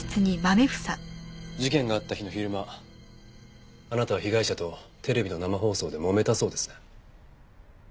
事件があった日の昼間あなたは被害者とテレビの生放送でもめたそうですね？